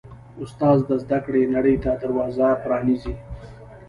استاد د زده کړو نړۍ ته دروازه پرانیزي.